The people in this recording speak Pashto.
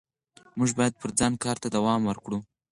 موږ باید پر ځان کار ته دوام ورکړو